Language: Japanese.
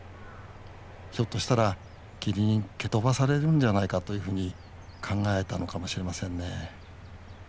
ひょっとしたらキリンに蹴飛ばされるんじゃないかというふうに考えたのかもしれませんね。